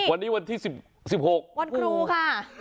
วันนี้วันที่๑๖วันครูค่ะ